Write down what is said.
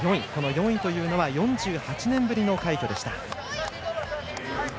４位というのは４８年ぶりの快挙でした。